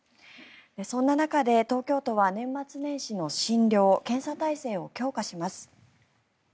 そんな中で、東京都は年末年始の診療・検査体制を強化します。